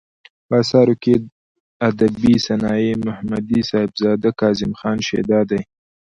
په اثارو کې ادبي صنايع ، محمدي صاحبزداه ،کاظم خان شېدا دى.